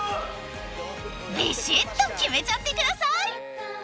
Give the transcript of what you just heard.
［びしっと決めちゃってください！］